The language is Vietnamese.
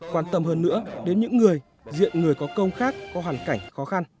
quan tâm hơn nữa đến những người diện người có công khác có hoàn cảnh khó khăn